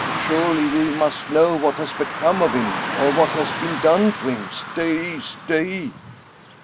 Surely we must know what has become of him, or what has been done to him. Stay ! stay